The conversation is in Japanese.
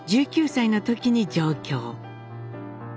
１９歳の時に上京。